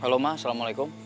halo ma assalamu'alaikum